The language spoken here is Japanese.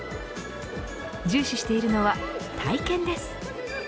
重視しているのは体験です。